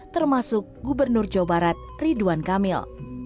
termasuk gubernur jawa barat ridwan kamil